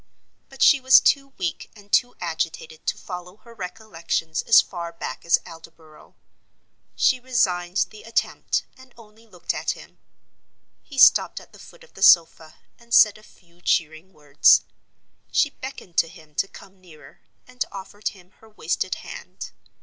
But she was too weak and too agitated to follow her recollections as far back as Aldborough. She resigned the attempt, and only looked at him. He stopped at the foot of the sofa and said a few cheering words. She beckoned to him to come nearer, and offered him her wasted hand.